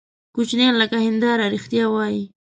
کوچنیان لکه هنداره رښتیا وایي.